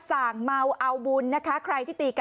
ส่างเมาเอาบุญนะคะ